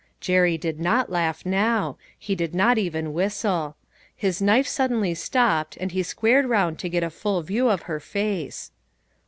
Jerry did not laugh now, he did not even whistle. His knife suddenly stopped, and he squared around to get a full view of her face.